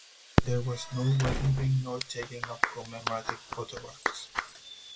There was no wedding ring nor taking of commemorative photographs.